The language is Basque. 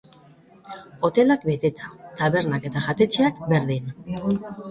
Hotelak beteta, tabernak eta jatetxeak berdin.